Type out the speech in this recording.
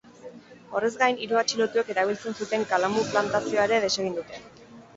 Horrez gain, hiru atxilotuek erabiltzen zuten kalamu plantazioa ere desegin dute.